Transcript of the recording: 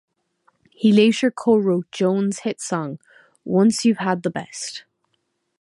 He later co-wrote Jones' hit song Once You've Had the Best.